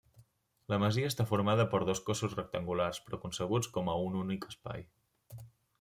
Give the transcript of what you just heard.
La masia està formada per dos cossos rectangulars però concebuts com a un únic espai.